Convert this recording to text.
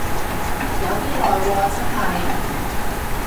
有啲耐喎真係